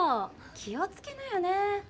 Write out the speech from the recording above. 気をつけなよね。